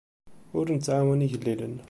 Ur nettɛawan igellilen.